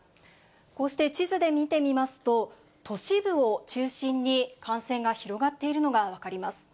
こうして地図で見てみますと、都市部を中心に感染が広がっているのが分かります。